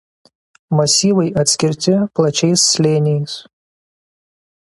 Masyvai atskirti plačiais slėniais.